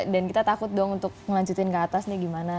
dan kita takut dong untuk melanjutin ke atas nih gimana